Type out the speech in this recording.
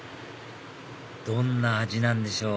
どんな味なんでしょう？